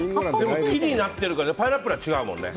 木になってるからパイナップルは違うもんね。